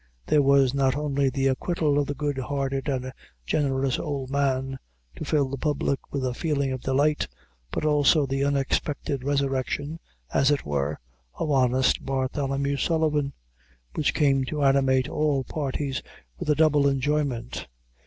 There was not only the acquittal of the good hearted and generous old man, to fill the public with a feeling of delight, but also the unexpected resurrection, as it were, of honest Bartholomew Sullivan, which came to animate all parties with a double enjoyment.